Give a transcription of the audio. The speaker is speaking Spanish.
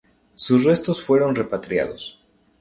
Sus restos fueron repatriados.